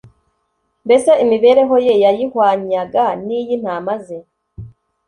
mbese imibereho ye yayihwanyaga n'iy'intama ze.